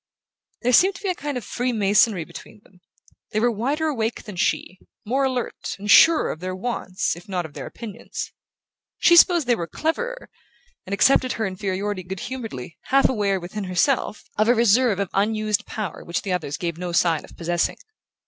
There seemed to be a kind of freemasonry between them; they were wider awake than she, more alert, and surer of their wants if not of their opinions. She supposed they were "cleverer", and accepted her inferiority good humouredly, half aware, within herself, of a reserve of unused power which the others gave no sign of possessing.